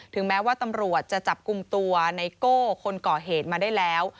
แม้ว่าตำรวจจะจับกลุ่มตัวไนโก้คนก่อเหตุมาได้แล้ว